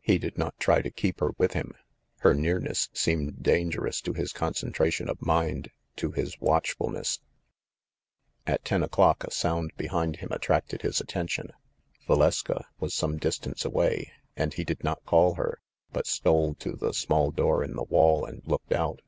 He did not try to keep her with him. Her nearness seemed dangerous to his concentration of mind, to his watchfulness. THE FANSHAWE GHOST 75 At ten o'clock a sound behind him attracted his at tention. Valeska was some distance away, and he did not call her, but stole to the small door in the wall and looked out.